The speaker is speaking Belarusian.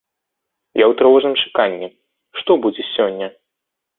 Я ў трывожным чаканні, што будзе сёння?